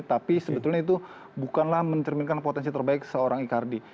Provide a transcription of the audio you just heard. tapi sebetulnya itu bukanlah mencerminkan potensi terbaik seorang icardi